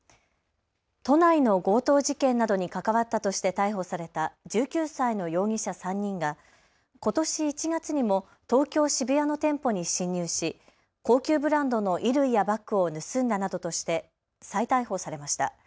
都内の強盗事件などに関わったとして逮捕された１９歳の容疑者３人がことし１月にも東京渋谷の店舗に侵入し高級ブランドの衣類やバッグを盗んだなどとして再逮捕されました。